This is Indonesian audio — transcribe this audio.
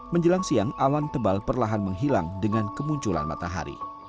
menjelang siang awan tebal perlahan menghilang dengan kemunculan matahari